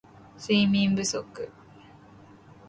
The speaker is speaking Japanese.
睡眠不足